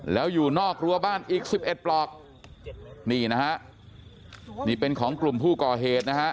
แล้วอยู่นอกรัวบ้านอีกสิบเอ็ดปลอกนี่นะฮะนี่เป็นของกลุ่มผู้ก่อเหตุนะฮะ